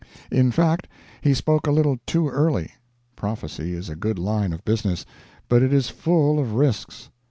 In fact, he spoke a little too early. Prophecy is a good line of business, but it is full of risks.